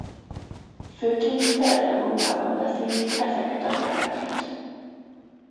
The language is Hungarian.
Főként Kelet-Európában beszélik ezeket a nyelveket.